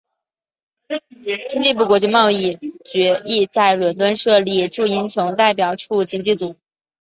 经济部国际贸易局亦在伦敦设立驻英国代表处经济组。